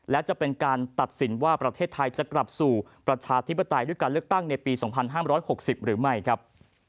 และจะเป็นการตัดสินว่าประเทศไทยจะกลับสู่ประชาธิปไตยด้วยการเลือกตั้งในปี๒๕๖๐หรือไม่ครับ